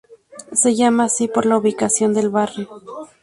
Se llama así por la ubicación del barrio.